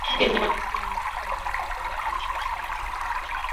কিন্তু নেপালের স্পিন আক্রমণের মুখে পড়ে আইরিশ ব্যাটসম্যানরা ছিলেন রীতিমতো দিশেহারা।